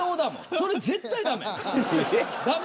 それ絶対ダメ。